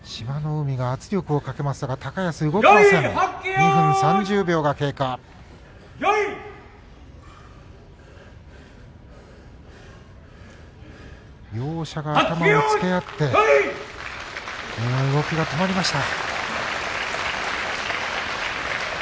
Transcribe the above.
２分３０秒が経過。両者が頭をつけ合って動きが止まりました。